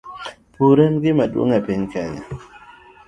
Pur en e gima duong' e piny Kenya,